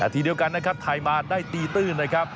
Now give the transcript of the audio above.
ทีเดียวกันนะครับไทยมาได้ตีตื้นนะครับ